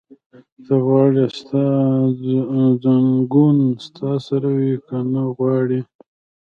ته غواړې ستا ځنګون ستا سره وي؟ که نه غواړې؟